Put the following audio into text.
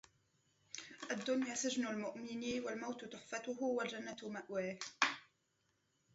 الدّنيا سجن المؤمن، والموت تحفته، والجنّة مأواه.